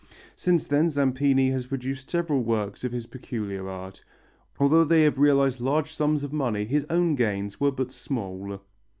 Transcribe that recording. Since then Zampini has produced several works of his peculiar art. Although they have realized large sums of money his own gains were but small.